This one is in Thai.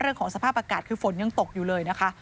เรื่องของสภาพอากาศคือฝนยังตกอยู่เลยนะคะ